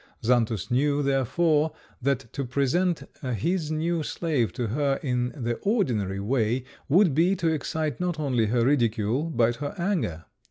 Xantus knew, therefore, that to present his new slave to her in the ordinary way would be to excite not only her ridicule but her anger.